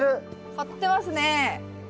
張ってますね。